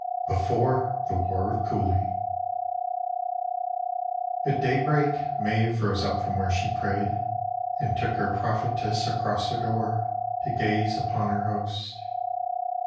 BEFORE THE WAR OF COOLEY At daybreak Maeve rose up from where she prayed And took her prophetess across her door To gaze upon her hosts.